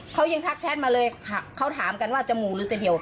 เขายังทักแชทมาเลยเขาถามกันว่าจมูกหรือจะเดี่ยว